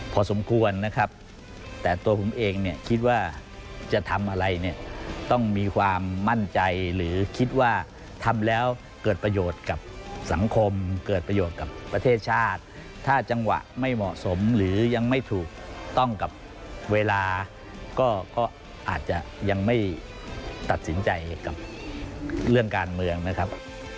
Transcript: พอสมควรนะครับแต่ตัวผมเองเนี่ยคิดว่าจะทำอะไรเนี่ยต้องมีความมั่นใจหรือคิดว่าทำแล้วเกิดประโยชน์กับสังคมเกิดประโยชน์กับประเทศชาติถ้าจังหวะไม่เหมาะสมหรือยังไม่ถูกต้องกับเวลาก็อาจจะยังไม่ตัดสินใจกับเรื่องการเมืองนะครับ